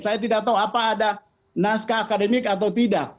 saya tidak tahu apa ada naskah akademik atau tidak